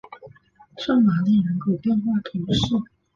圣玛丽人口变化图示